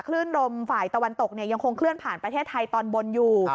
คลื่นลมฝ่ายตะวันตกยังคงเคลื่อนผ่านประเทศไทยตอนบนอยู่